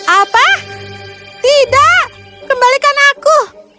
apa tidak kembalikan aku